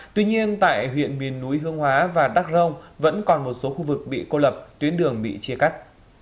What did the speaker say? tuy nhiên tại huyện miền núi hương hóa và đắk rông vẫn còn một số khu vực bị cô lập tuyến đường bị chia cắt